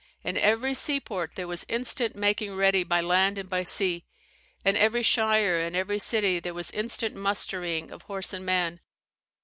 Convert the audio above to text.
In every seaport there was instant making ready by land and by sea; in every shire and every city there was instant mustering of horse and man.